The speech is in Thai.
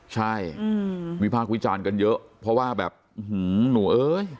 ใช่วิพากษ์วิจารณ์กันเยอะเพราะว่าแบบหนูเอ้ย